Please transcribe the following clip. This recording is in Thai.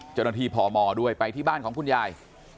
เจ้าหน้าที่พมด้วยไปที่บ้านของคุณยาย